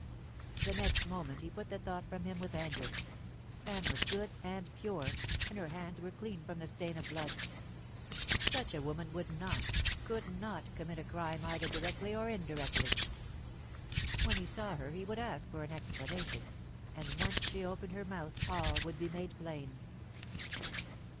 The next moment he put the thought from him with anger. Anne was good and pure, and her hands were clean from the stain of blood. Such a woman would not could not commit a crime either directly or indirectly. When he saw her he would ask for an explanation, and once she opened her mouth all would be made plain.